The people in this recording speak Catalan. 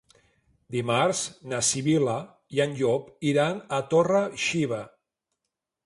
Dimarts na Sibil·la i en Llop iran a Torre-xiva.